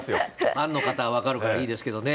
ファンの方は分かるからいいですけどね。